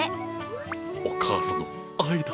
お母さんの愛だ。